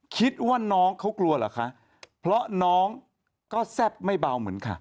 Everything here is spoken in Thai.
คิดว่าน้องเขากลัวเหรอคะเพราะน้องก็แซ่บไม่เบาเหมือนค่ะ